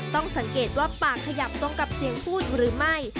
ต้องสังเกตว่าปากขยับตรงกับเสียงพูดหรือไม่